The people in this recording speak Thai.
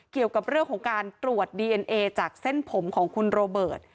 เกี่ยวกับเรื่องของการตรวจดีเอ็นเอจากเส้นผมของคุณโรเบิร์ต